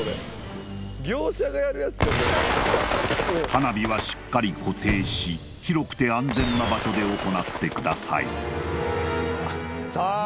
花火はしっかり固定し広くて安全な場所で行ってくださいさあ